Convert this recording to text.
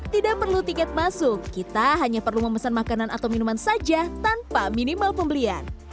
tidak perlu tiket masuk kita hanya perlu memesan makanan atau minuman saja tanpa minimal pembelian